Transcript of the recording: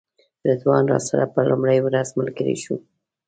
رضوان راسره په لومړۍ ورځ ملګری شو.